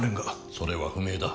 それは不明だ。